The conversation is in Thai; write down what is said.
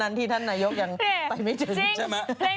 เท่านั้นที่ท่านนายกยังใต้ไม่เจน